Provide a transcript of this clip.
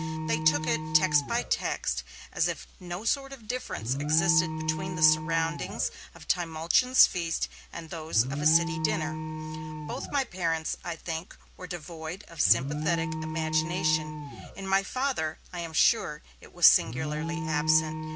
They took it, text by text, as if no sort of difference existed between the surroundings of Trimalchion's feast and those of a City dinner. Both my parents, I think, were devoid of sympathetic imagination; in my Father, I am sure, it was singularly absent.